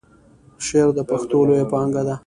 شعر د پښتو لویه پانګه ده.